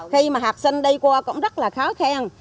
khi mà học sinh đi qua cũng rất là khó khăn